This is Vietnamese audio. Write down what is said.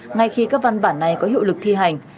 ngay khi các văn bản này có hiệu lực thi hành